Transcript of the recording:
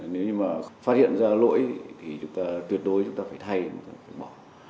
nếu như mà phát hiện ra lỗi thì chúng ta tuyệt đối chúng ta phải thay chúng ta phải bỏ